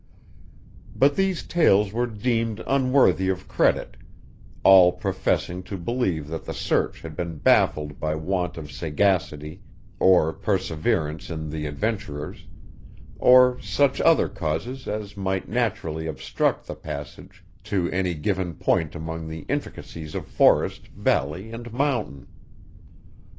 But these tales were deemed unworthy of credit, all professing to believe that the search had been baffled by want of sagacity or perseverance in the adventurers, or such other causes as might naturally obstruct the passage to any given point among the intricacies of forest, valley, and mountain.